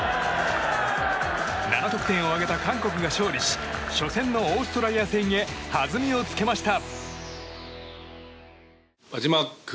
７得点を挙げた韓国が勝利し初戦のオーストラリア戦へはずみをつけました。